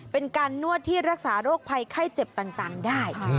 เป็นการนวดที่รักษาโรคภัยไข้เจ็บต่างได้